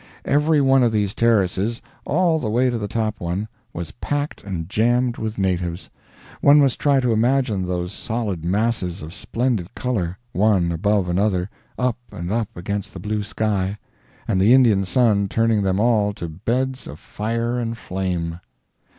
Every one of these terraces, all the way to the top one, was packed and jammed with natives. One must try to imagine those solid masses of splendid color, one above another, up and up, against the blue sky, and the Indian sun turning them all to beds of fire and flame.